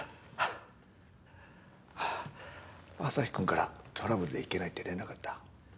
アサヒくんからトラブルで行けないって連絡があった。